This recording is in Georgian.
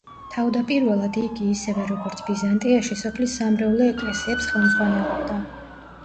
თავდაპირველად იგი, ისევე როგორც ბიზანტიაში, სოფლის სამრევლო ეკლესიებს ხელმძღვანელობდა.